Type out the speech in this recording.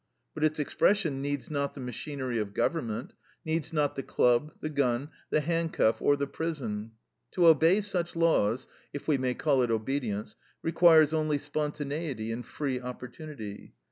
But its expression needs not the machinery of government, needs not the club, the gun, the handcuff, or the prison. To obey such laws, if we may call it obedience, requires only spontaneity and free opportunity.